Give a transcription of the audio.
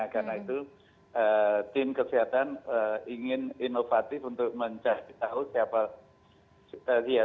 karena itu tim kesehatan ingin inovatif untuk mencari tahu siapa